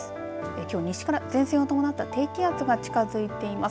きょう西から前線を伴った低気圧が近づいています。